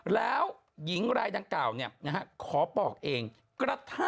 แล้วหญิงรายดังกล่าวเนี่ยนะฮะขอปอกเองกระทั่ง